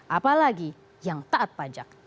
apalagi yang taat pajak